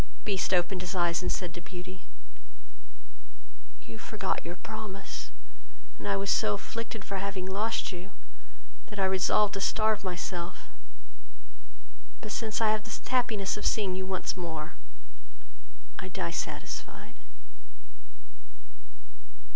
Beast opened his eyes, and said to Beauty, "You forgot your promise, and I was so afflicted for having lost you, that I resolved to starve myself; but since I have the happiness of seeing you once more, I die satisfied."